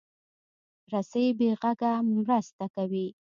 رسۍ بې غږه مرسته کوي.